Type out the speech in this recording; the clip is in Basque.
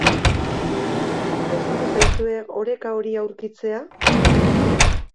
Kostatu zaizue oreka hori aurkitzea?